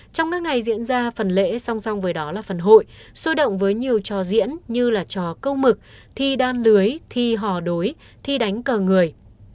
trong các ngày diễn ra phần lễ song song với đó là phần hội sôi động với nhiều trò diễn như là trò câu mực thi đan lưới thi hò đối thi đánh cờ người